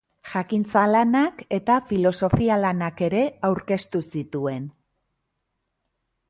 Jakintza-lanak eta filosofia-lanak ere aurkeztu zituen.